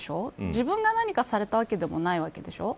自分が何かされたわけでもないわけでしょう。